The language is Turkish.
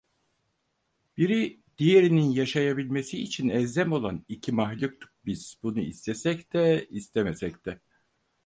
Biri diğerinin yaşayabilmesi için elzem olan iki mahluktuk biz, bunu istesek de, istemesek de…